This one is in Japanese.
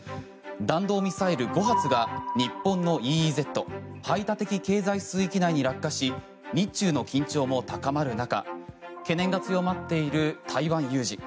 弾道ミサイル５発が日本のＥＥＺ・排他的経済水域内に落下し日中の緊張も高まる中懸念が強まっている台湾有事。